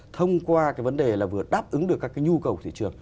thông qua cái vấn đề là vừa đáp ứng được các cái nhu cầu thị trường